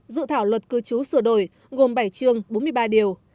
dự thảo luật cư trú sửa đổi gồm bảy chương bốn mươi ba điều